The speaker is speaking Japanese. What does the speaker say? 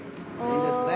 いいですね。